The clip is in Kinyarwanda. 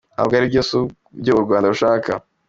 Ntabwo aribyo, sibyo u Rwanda rushaka.